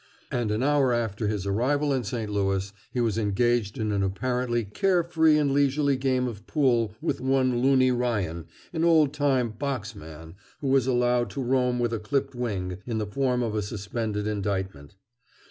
And an hour after his arrival in St. Louis he was engaged in an apparently care free and leisurely game of pool with one Loony Ryan, an old time "box man" who was allowed to roam with a clipped wing in the form of a suspended indictment.